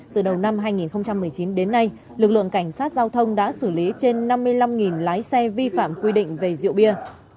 từ đầu năm hai nghìn một mươi chín đến nay lực lượng cảnh sát giao thông đã xử lý trên năm mươi năm lái xe vi phạm quy định về rượu bia